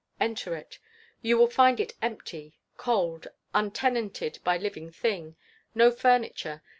Enter it. You will find it empty, cold, untenanted by living thing. No furniture.